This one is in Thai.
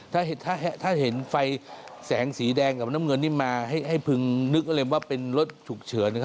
ถ้าเห็นไฟแสงสีแดงกับน้ำเงินนี่มาให้พึงนึกเลยว่าเป็นรถฉุกเฉิน